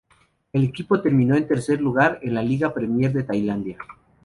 El equipo terminó en tercer lugar en la Liga Premier de Tailandia.